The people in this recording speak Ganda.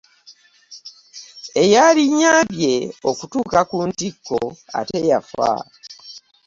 Eyandinnyambye okutuuka ku ntikko ate yafa.